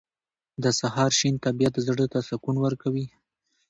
• د سهار شین طبیعت زړه ته سکون ورکوي.